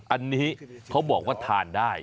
อันนี้เขาบอกว่าทานได้